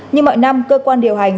như mọi năm cơ quan điều hành